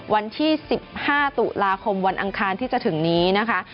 วันที่๑๕ตุลาคมวันอังคารที่จะถึงนี้นะคะ